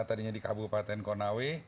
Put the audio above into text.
tadinya di kabupaten konawe